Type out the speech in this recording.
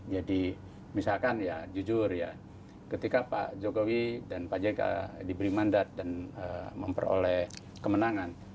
jadi misalkan ya jujur ya ketika pak jokowi dan pak jg diberi mandat dan memperoleh kemenangan